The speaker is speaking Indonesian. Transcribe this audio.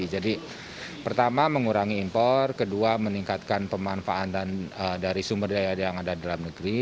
jadi pertama mengurangi impor kedua meningkatkan pemanfaatan dari sumber daya yang ada dalam negeri